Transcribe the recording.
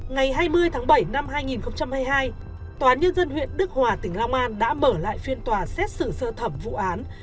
ngày hai mươi tháng bảy năm hai nghìn hai mươi hai tòa nhân dân huyện đức hòa tỉnh long an đã mở lại phiên tòa xét xử sơ thẩm vụ án